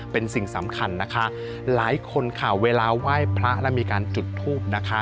เป็นสิ่งสำคัญนะคะหลายคนค่ะเวลาไหว้พระแล้วมีการจุดทูบนะคะ